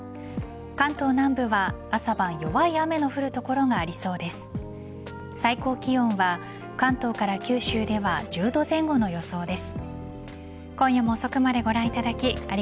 関東南部は朝晩弱い雨の降る所がありそうです。